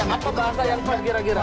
apa bahasa yang kira kira